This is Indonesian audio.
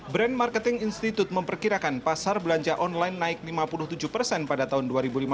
brand marketing institute memperkirakan pasar belanja online naik lima puluh tujuh persen pada tahun dua ribu lima belas